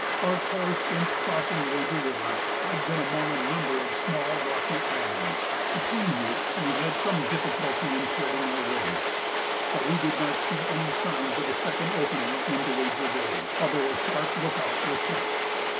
Our course since crossing Wager River had been among a number of small rocky islands, between which we had some difficulty in threading our way, but we did not see any signs of a second opening into Wager Bay, although a sharp look out was kept.